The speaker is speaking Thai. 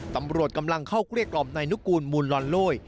ตำรวจกำลังเข้ากรีกรอบในนุคกูลมูลรอนโลย